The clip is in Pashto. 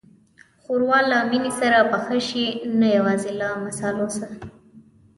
ښوروا له مینې سره پخه شي، نه یوازې له مصالحو.